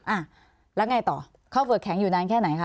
อ่ะแล้วไงต่อเข้าเฝือกแข็งอยู่นานแค่ไหนคะ